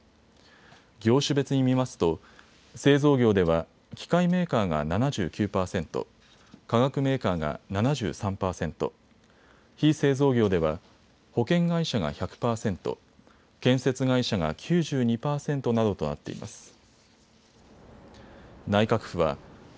業種別に見ますと製造業では機械メーカーが７９％、化学メーカーが７３％、非製造業では保険会社が１００％、建設会社が９２％などとなっています。